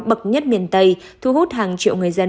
bậc nhất miền tây thu hút hàng triệu người dân